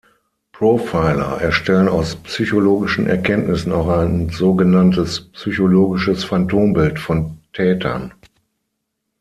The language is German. Profiler erstellen aus psychologischen Erkenntnissen auch ein sogenanntes "psychologisches Phantombild" von Tätern.